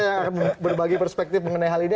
yang akan berbagi perspektif mengenai hal ini